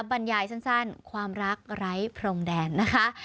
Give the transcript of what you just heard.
บรรยายสั้นความรักไร้พรมแดนนะคะ